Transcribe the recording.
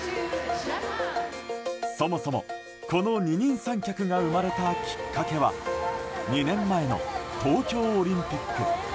そもそも、この二人三脚が生まれたきっかけは２年前の東京オリンピック。